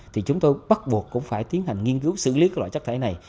thì chúng tôi bắt buộc cũng phải tiến hành nghiên cứu xử lý loại chất thải này